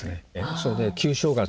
それで旧正月